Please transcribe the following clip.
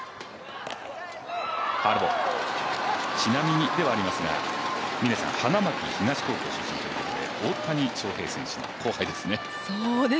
ちなみにではありますが峰さん花巻東高校出身ということで大谷翔平選手の後輩ですね。